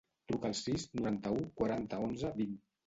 Truca al sis, noranta-u, quaranta, onze, vint.